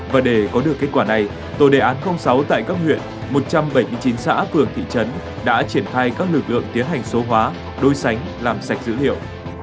và để có được kết quả này tổ đề án sáu tại các huyện một trăm bảy mươi chín xã phường thị trấn đã triển khai các lực lượng tiến hành số hóa đối sánh làm sạch dữ liệu